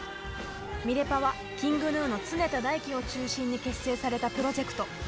ミレパはＫｉｎｇＧｎｕの常田大希を中心に結成されたプロジェクト。